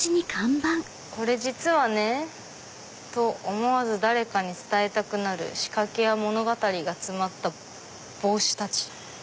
「『これ実はね・・』と思わず誰かに伝えたくなる仕掛けや物語が詰まった帽子たち」。